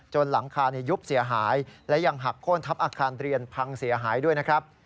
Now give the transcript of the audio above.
หลังคายุบเสียหายและยังหักโค้นทับอาคารเรียนพังเสียหายด้วยนะครับ